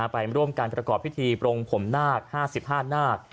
ไปร่วมการประกอบพิธีปรงผมนาค๕๕นาค